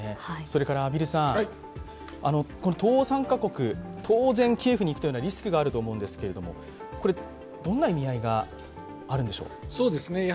それから、東欧３カ国当然、キエフに行くというのはリスクがあると思うんですけれども、これはどんな意味合いがあるんでしょう？